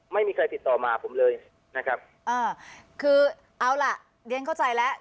ไม่มีใครติดต่อมาผมเลยนะครับอ่าคือเอาล่ะเรียนเข้าใจแล้ว